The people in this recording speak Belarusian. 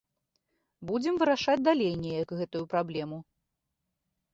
Будзем вырашаць далей неяк гэту праблему.